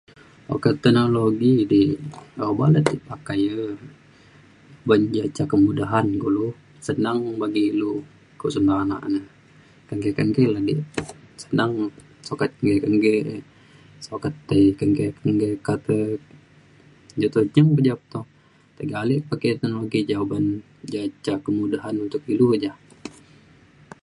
oka teknologi di obak lukte pakai e oban ja' ca kemudahan kulu senang bagi ilu ke usun tanak ne kengke kengke le dik senang sokat kengke kengke ke sokat tai kengke kengke ka te ja to nyeng pe ja to tega alik pakai teknologi ja oban ja ca kemudahan untuk ilu ja